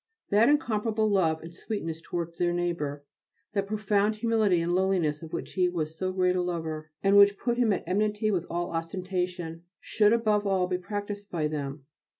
That incomparable love and sweetness towards their neighbour, that profound humility and lowliness of which he was so great a lover, and which put him at enmity with all ostentation, should above all be practised by them.